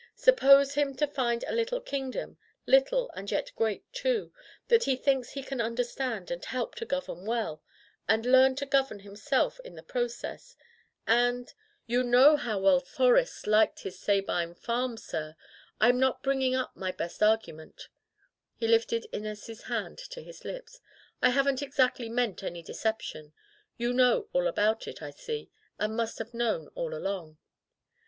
Sup pose him to find a little kingdom — ^little, and yet great, too — that he thinks he can under stand and help to govern well, and learn to govern himself in the process — ^and — you know how well Horace liked his Sabine farm, sir, I'm not bringing up my best argu ment —" he lifted Inez's hand to his lips. "I haven't exactly meant any deception. You know all about it, I see, and must have known all along."